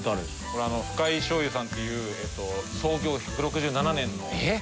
これ深井醤油さんっていう創業１６７年のえっ！？